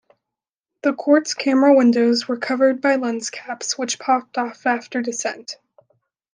The quartz camera windows were covered by lens caps which popped off after descent.